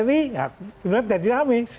benar benar tidak dinami